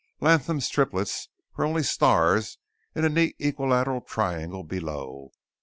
Latham's Triplets were only stars in a neat equilateral triangle below.